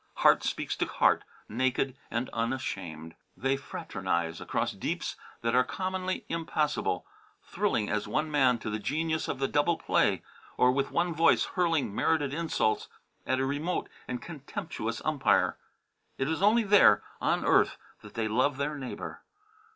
Heart speaks to heart naked and unashamed; they fraternize across deeps that are commonly impassable, thrilling as one man to the genius of the double play, or with one voice hurling merited insults at a remote and contemptuous umpire. It is only there, on earth, that they love their neighbour.